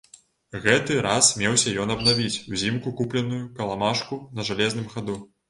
Гэты раз меўся ён абнавіць узімку купленую каламажку на жалезным хаду.